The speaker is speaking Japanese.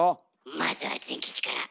まずはズン吉から。